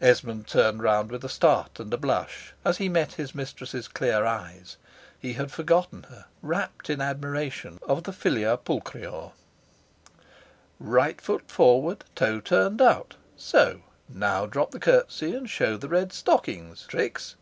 Esmond turned round with a start and a blush, as he met his mistress's clear eyes. He had forgotten her, rapt in admiration of the filia pulcrior. "Right foot forward, toe turned out, so: now drop the curtsy, and show the red stockings, Trix.